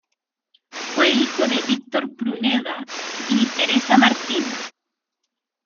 Fue hijo de Víctor Pruneda y Teresa Martín.